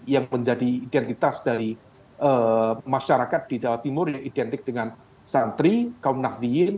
yang menjadi identitas dari masyarakat di jawa timur yang identik dengan santri kaum nafiyin